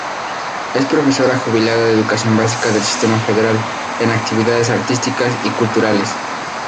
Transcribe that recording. Es profesora jubilada de educación básica del sistema federal, en actividades artísticas y culturales.